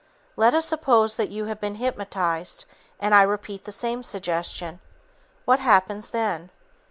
Let us suppose that you have been hypnotized and I repeat the same suggestion. What happens then?